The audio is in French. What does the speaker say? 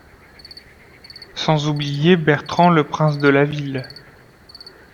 Sans oublier bertrand le prince de la ville.